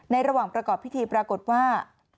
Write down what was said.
ระหว่างประกอบพิธีปรากฏว่า